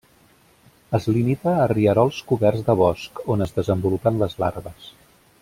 Es limita a rierols coberts de bosc, on es desenvolupen les larves.